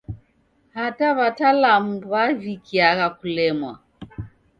Hata w'atalamu w'avikiagha kulemwa.